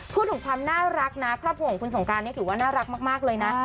พูดถึงความน่ารักนะครอบครัวของคุณสงการเนี่ยถือว่าน่ารักมากเลยนะ